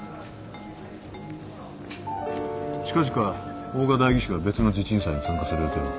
近々大賀代議士が別の地鎮祭に参加する予定は？